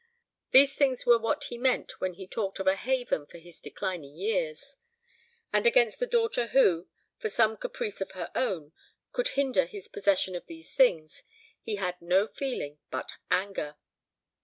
These things were what he meant when he talked of a haven for his declining years; and against the daughter who, for some caprice of her own, could hinder his possession of these things, he had no feeling but anger.